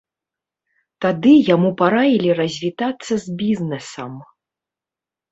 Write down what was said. Тады яму параілі развітацца з бізнэсам.